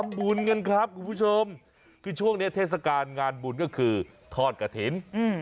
บุญกันครับคุณผู้ชมคือช่วงนี้เทศกาลงานบุญก็คือทอดกระถิ่น